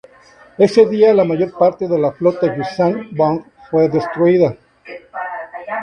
Ese día la mayor parte de la flota yuuzhan vong fue destruida.